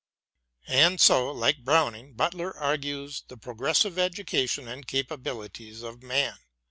And so, like Browning, Butler argues the pro gressive education and capabilities of man.